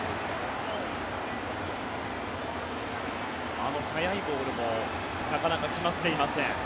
あの速いボールもなかなか決まっていません。